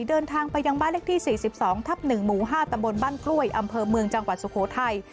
เดินทางไปยังบ้านเลขที่๔๒ทับ๑หมู่๕ตำบลบ้านกล้วยอำเภอเมืองจังหวัดสุโขทัย